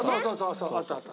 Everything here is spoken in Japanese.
あったあった。